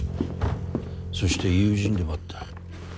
そして友人でもあった。